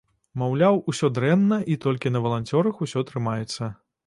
Маўляў, усё дрэнна і толькі на валанцёрах усё трымаецца.